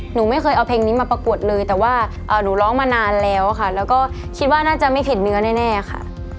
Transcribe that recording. หนูไม่เคยเอาเพลงนี้มาประกวดเลยแต่ว่าหนูร้องมานานแล้วค่ะแล้วก็คิดว่าน่าจะไม่เห็นเนื้อแน่ค่ะ